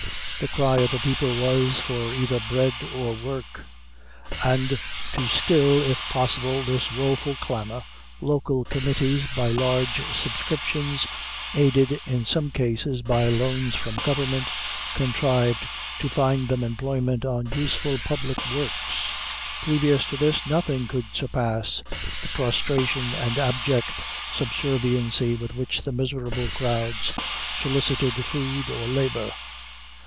The cry of the people was, for either bread or work; and to still, if possible, this woeful clamor, local committees, by large subscriptions, aided, in some cases, by loans from government, contrived to find them employment on useful public works. Previous to this, nothing could surpass the prostration and abject subserviency with which the miserable crowds solicited food or labor.